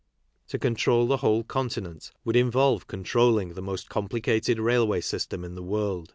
To control the whole continent would involve control ling the most complicated railway system in the world.